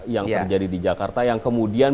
yang terjadi di jakarta yang kemudian